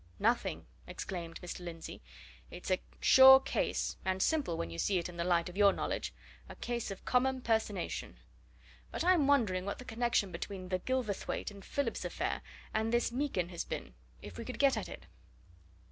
"Nothing!" exclaimed Mr. Lindsey. "It's a sure case and simple when you see it in the light of your knowledge; a case of common personation. But I'm wondering what the connection between the Gilverthwaite and Phillips affair and this Meekin has been if we could get at it?"